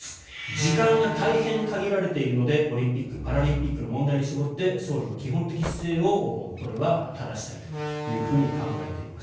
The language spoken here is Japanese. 時間が大変限られているのでオリンピック・パラリンピックの問題に絞って総理の基本的姿勢をただしたいと考えています。